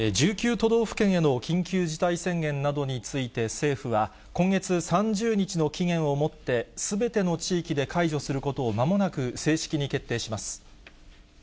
都道府県への緊急事態宣言などについて、政府は、今月３０日の期限をもって、すべての地域で解除することをまもなく正式に決定します。